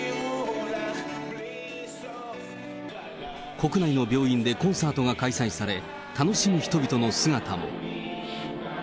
国内の病院でコンサートが開催され、楽しむ人々の姿も。